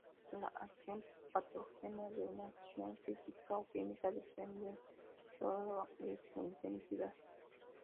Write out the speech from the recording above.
La acción patógena de una acción física o química depende sólo de su intensidad.